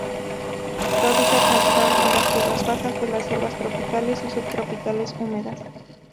Su hábitat natural son las tierras bajas de las selvas tropicales y subtropicales húmedas.